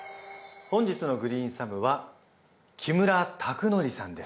本日のグリーンサムは木村卓功さんです。